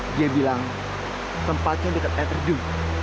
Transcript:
dia bilang tempatnya dekat air terjun